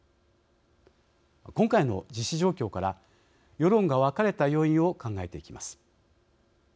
今回の実施状況から世論が分かれた要因を考えていきます。